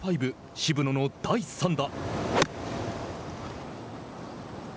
渋野の第３打。